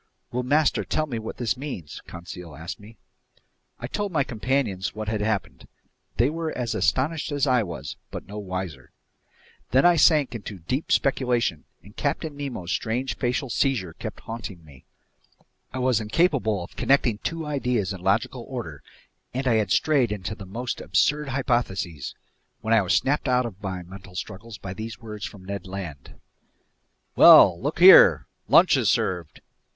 "Will master tell me what this means?" Conseil asked me. I told my companions what had happened. They were as astonished as I was, but no wiser. Then I sank into deep speculation, and Captain Nemo's strange facial seizure kept haunting me. I was incapable of connecting two ideas in logical order, and I had strayed into the most absurd hypotheses, when I was snapped out of my mental struggles by these words from Ned Land: "Well, look here! Lunch is served!"